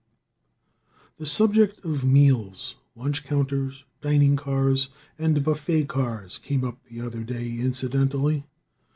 The subject of meals, lunch counters, dining cars and buffet cars came up the other day, incidentally.